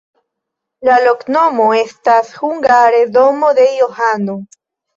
La loknomo estas hungare: domo de Johano.